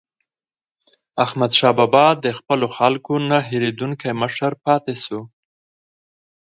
احمدشاه بابا د خپلو خلکو نه هېریدونکی مشر پاتې سو.